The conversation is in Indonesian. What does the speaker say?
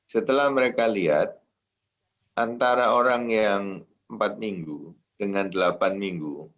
setelah mereka lihat antara orang yang empat minggu dengan delapan minggu